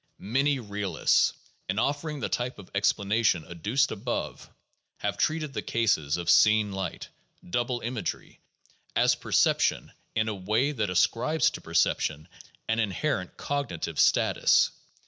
Many realists, in offering the type of explanation ad duced above, have treated the cases of seen light, doubled imagery, as perception in a way that ascribes to perception an inherent cognitive status.